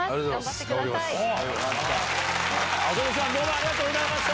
ありがとうござました。